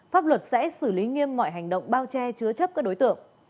pháp luật sẽ xử lý nghiêm mọi hành động bao che chứa chấp các đối tượng